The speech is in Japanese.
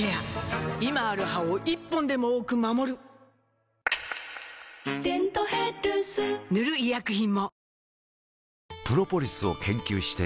今ある歯を１本でも多く守る「デントヘルス」塗る医薬品も